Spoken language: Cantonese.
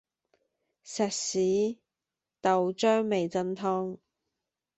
石狩豆漿味噌湯